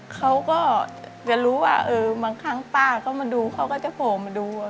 เขาก็จะรู้ว่าบางครั้งป้าก็มาดูเขาก็จะโผล่มาดู